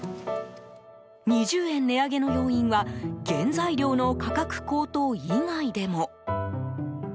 ２０円値上げの要因は原材料の価格高騰以外でも。